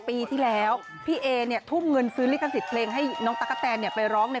ปีที่แล้วพี่เอเนี่ยทุ่มเงินซื้อลิขสิทธิ์เพลงให้น้องตั๊กกะแตนไปร้องใน